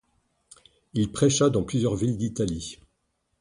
Il prêcha dans plusieurs villes d'Italie.